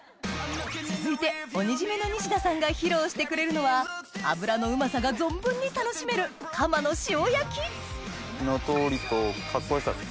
続いて鬼絞めの西田さんが披露してくれるのは脂のうまさが存分に楽しめる火の通りとカッコ良さですね。